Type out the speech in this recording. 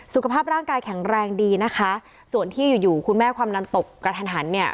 สุขภาพร่างกายแข็งแรงดีนะคะส่วนที่อยู่อยู่คุณแม่ความดันตกกระทันหันเนี่ย